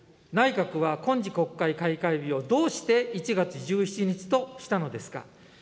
内閣は今次国会開会日をどうして１月１７日としたのですか。